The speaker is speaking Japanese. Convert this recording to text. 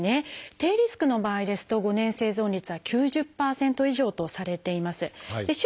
低リスクの場合ですと５年生存率は９０％以上とされています。